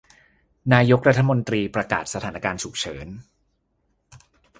นายกรัฐมนตรีประกาศสถานการณ์ฉุกเฉิน